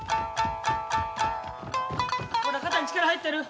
ほら肩に力が入ってる！